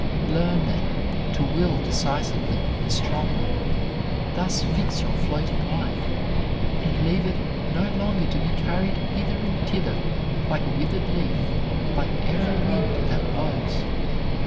Learn, then, to will decisively and strongly; thus fix your floating life, and leave it no longer to be carried hither and thither, like a withered leaf, by every wind that blows.